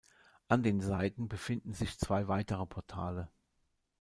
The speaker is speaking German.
An den Seiten befinden sich zwei weitere Portale.